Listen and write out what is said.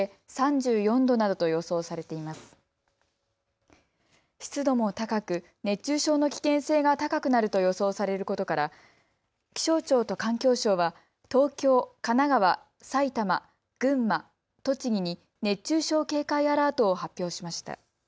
湿度も高く、熱中症の危険性が高くなると予想されることから気象庁と環境省は東京、神奈川、埼玉、群馬、栃木に熱中症警戒アラートを発表しました。